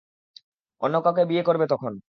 অন্য কাউকে বিয়ে করবে তখন।